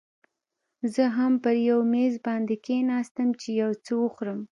زه هم پر یو میز باندې کښېناستم، چې یو څه وخورم.